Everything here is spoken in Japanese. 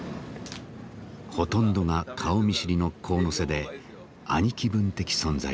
ほとんどが顔見知りの神瀬で兄貴分的存在です。